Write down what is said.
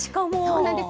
そうなんです。